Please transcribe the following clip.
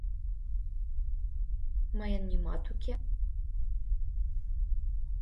Мыйын нимат уке.